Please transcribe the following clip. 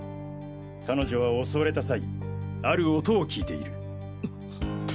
彼女は襲われた際ある音を聞いている。